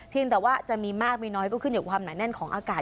แต่ว่าจะมีมากมีน้อยก็ขึ้นอยู่ความหนาแน่นของอากาศ